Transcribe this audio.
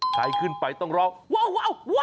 ใครขึ้นไปต้องร้องว้าว